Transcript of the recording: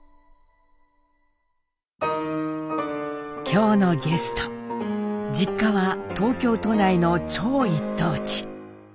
今日のゲスト実家は東京都内の超一等地。